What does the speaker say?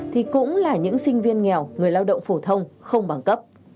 thì cũng là những sinh viên nghèo người lao động phổ thông không bằng cấp